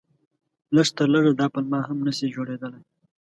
لږ تر لږه دا پلمه هم نه شي جوړېدلای.